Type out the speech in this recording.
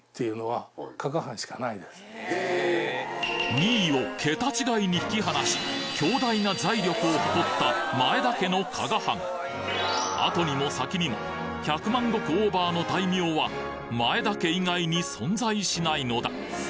２位をケタ違いに引き離し強大な財力を誇った前田家の加賀藩後にも先にも百万石オーバーの大名は前田家以外に存在しないのだ